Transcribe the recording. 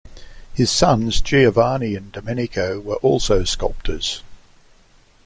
His sons Giovanni and Domenico were also sculptors.